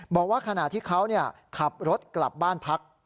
บอกว่าขณะที่เขาขับรถกลับบ้านพัก